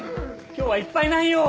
今日はいっぱいなんよ。